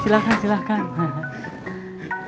saya liat banget mempertaruhkan dong seseorang